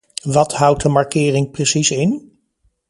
Wat houdt de markering precies in?